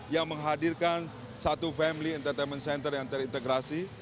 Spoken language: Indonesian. yang menghadirkan satu family entertainment center yang terintegrasi